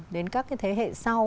đến các thế hệ sau